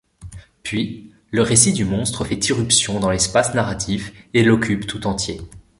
Puis, le récit du monstre fait irruption dans l'espace narratif et l'occupe tout entier.